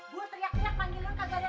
tuhh padel bicara aja